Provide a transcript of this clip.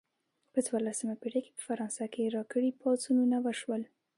په څوارلسمه پیړۍ کې په فرانسه کې راکري پاڅونونه وشول.